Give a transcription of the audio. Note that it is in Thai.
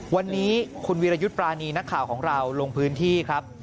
วันนี้คุณวิรยุทธ์ปรานีนักข่าวของเราลงพื้นที่ครับ